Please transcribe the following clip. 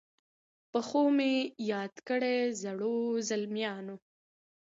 په ښو مي یاد کړی زړو، زلمیانو